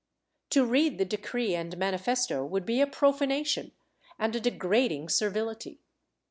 To read the decree and manifesto would be a profanation and a degrading servility.